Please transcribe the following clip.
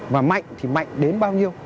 và mạnh thì mạnh đến bao nhiêu